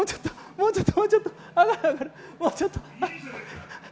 もうちょっと、もうちょっと。